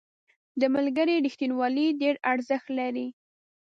• د ملګري رښتینولي ډېر ارزښت لري.